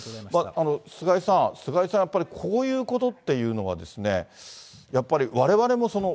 菅井さん、菅井さん、やっぱり、こういうことっていうのはね、やっぱりわれわれもその、